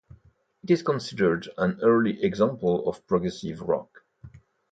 It is considered an early example of progressive rock.